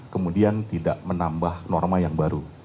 kemudian tidak menambah norma yang baru